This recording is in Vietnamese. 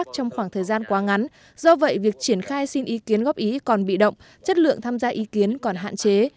trong khoảng thời gian quá ngắn do vậy việc triển khai xin ý kiến góp ý còn bị động chất lượng tham gia ý kiến còn hạn chế